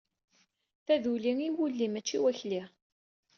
Taduli i wulli mačči i wakli.